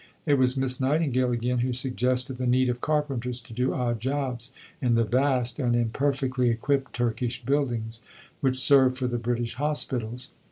It was Miss Nightingale, again, who suggested the need of carpenters to do odd jobs in the vast and imperfectly equipped Turkish buildings which served for the British hospitals.